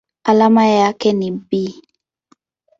Alama yake ni Be.